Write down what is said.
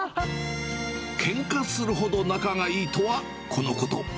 けんかするほど仲がいいとはこのこと。